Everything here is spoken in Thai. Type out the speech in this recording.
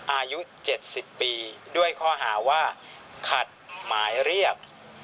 อายุ๗๐ปีด้วยข้อหาว่าขัดหมายเรียก